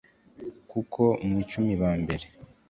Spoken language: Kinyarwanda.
kuko mu icumi bambere